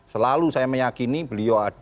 selalu saya meyakini beliau ada di dalam hal ini